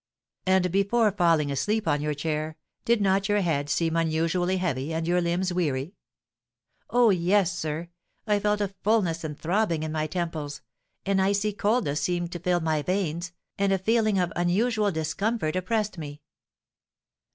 "And before falling asleep on your chair, did not your head seem unusually heavy, and your limbs weary?" "Oh, yes, sir, I felt a fullness and throbbing in my temples, an icy coldness seemed to fill my veins, and a feeling of unusual discomfort oppressed me."